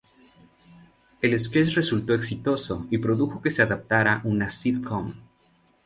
El "sketch" resultó exitoso y produjo que se adaptara en una sitcom.